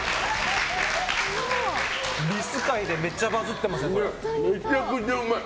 リス界でめっちゃバズってますね、これ。